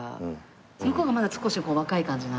向こうがまだ少しこう若い感じな。